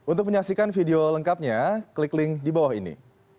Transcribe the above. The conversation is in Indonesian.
untuk menyaksikan video lengkapnya klik link di bawah ini